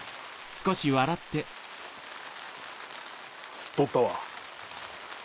吸っとったわ。